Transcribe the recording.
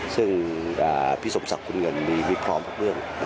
ซึ่งพี่สมศักดิ์คุณเงินมีพร้อมพวกเรื่อง